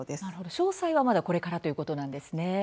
詳細はまだこれからということですね。